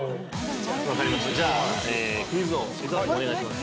◆じゃあ、クイズ王・伊沢君、お願いします。